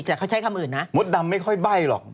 แต่เขาใช้คำอื่นนะมดดำไม่ค่อยใบ้หรอก